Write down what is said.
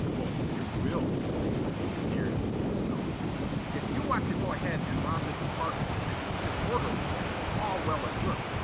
"Oh, you will, will you?" sneered Mr. Smilk. "If you want to go ahead and rob this apartment in a decent, orderly way, all well and good.